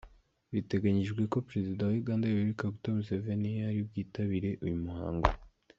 Biteganyijwe ko Perezida wa Uganda, Yoweri Kaguta Museveni, ari bwitabirere uyu muhango.